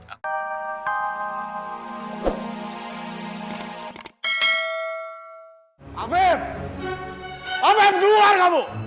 afif afif keluar kamu